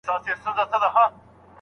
يوسف عليه السلام د وروڼو لخوا هدف سو.